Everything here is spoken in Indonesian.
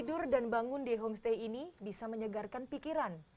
tidur dan bangun di homestay ini bisa menyegarkan pikiran